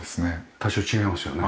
多少違いますよね。